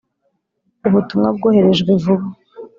Ubutumwa bwoherejwe vuba.